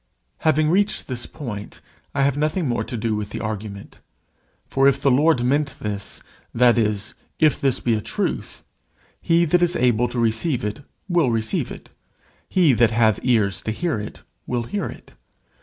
Having reached this point, I have nothing more to do with the argument; for if the Lord meant this that is, if this be a truth, he that is able to receive it will receive it: he that hath ears to hear it will hear it.